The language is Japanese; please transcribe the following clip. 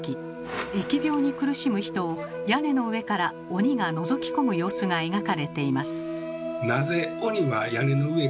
疫病に苦しむ人を屋根の上から鬼がのぞき込む様子が描かれています。